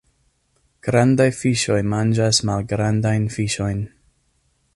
Grandaj fiŝoj manĝas malgrandajn fiŝojn.